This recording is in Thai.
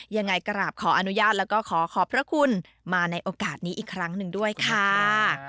ยังไงกราบขออนุญาตแล้วก็ขอขอบพระคุณมาในโอกาสนี้อีกครั้งหนึ่งด้วยค่ะ